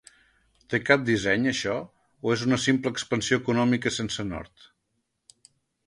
Té cap disseny, això, o és una simple expansió econòmica sense nord?